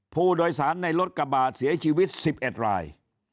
ผู้โดยสารในรถกระบาดเสียชีวิต๑๑ราย